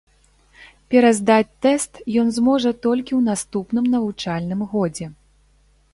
Пераздаць тэст ён зможа толькі ў наступным навучальным годзе.